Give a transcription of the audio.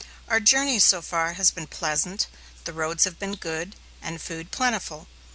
Our journey so far has been pleasant, the roads have been good, and food plentiful.